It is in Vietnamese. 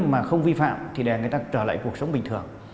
mà không vi phạm thì để người ta trở lại cuộc sống bình thường